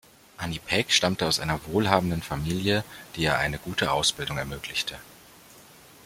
Annie Peck stammte aus einer wohlhabenden Familie, die ihr eine gute Ausbildung ermöglichte.